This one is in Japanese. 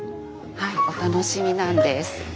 はいお楽しみなんです。